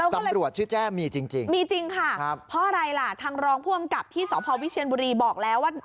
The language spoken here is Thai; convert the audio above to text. ตำรวจชื่อแจ้มีจริงมีจริงค่ะครับเพราะอะไรล่ะทางรองผู้อำกับที่สพวิเชียนบุรีบอกแล้วว่า